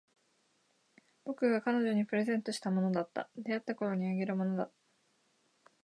僕が彼女にプレゼントしたものだった。出会ったころにあげたものだ。